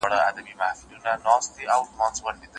که مېرويس دی، که اکبر، که مسجدي دی